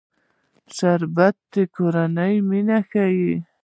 شربت د کورنۍ مینه ښيي